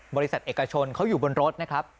บริษัทเอกชนเขาอยู่บนรถนะครับ